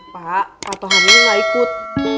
pak patuh hari gak ikut